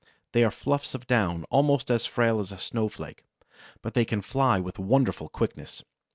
They are fluffs of down almost as frail as a snowflake, but they can fly with wonderful quickness.